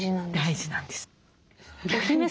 大事なんです。